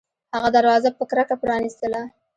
هغه دروازه په کرکه پرانیستله